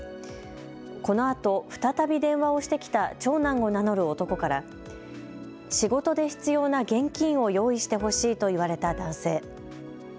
このあと再び電話をしてきた長男を名乗る男から仕事で必要な現金を用意してほしいと言われた男性。